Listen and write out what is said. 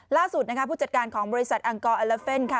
ล่าสุดนะคะผู้จัดการของบริษัทอังกอร์อัลลาเฟนค่ะ